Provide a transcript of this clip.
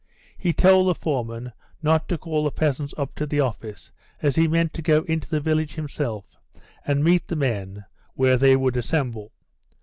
He told the foreman not to call the peasants up to the office, as he meant to go into the village himself and meet the men where they would assemble.